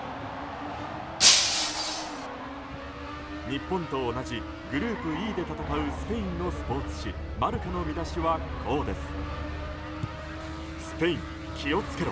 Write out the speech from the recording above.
日本と同じグループＥで戦うスペインのスポーツ紙マルカの見出しはこうです。